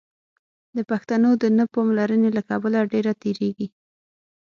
د پښتو د نه پاملرنې له کبله ډېره تېرېږي.